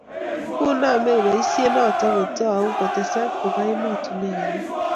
kuname besiet noto kiitou kotesaka koba emotinwek alak